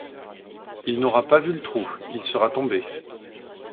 Il n’aura pas vu le trou, il sera tombé.